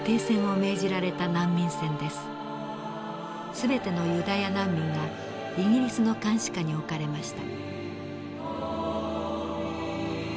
全てのユダヤ難民がイギリスの監視下に置かれました。